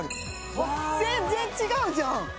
すごい全然違うじゃん！